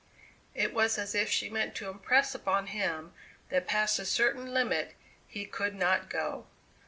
It was as if she meant to impress upon him that past a certain limit he could not go.